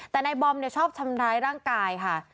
แต่นายบอมชอบทำร้ายร่างกายค่ะ